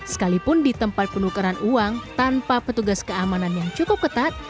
sekalipun di tempat penukaran uang tanpa petugas keamanan yang cukup ketat